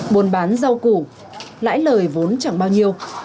buôn bán rau củ lãi lời vốn chẳng bao nhiêu